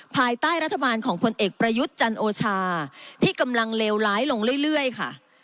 ภายใต้รัฐบาลของผลเอกประยุทธ์จันโอชาที่กำลังเลวร้ายลงเรื่อยค่ะ